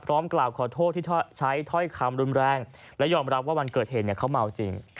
กล่าวขอโทษที่ใช้ถ้อยคำรุนแรงและยอมรับว่าวันเกิดเหตุเขาเมาจริง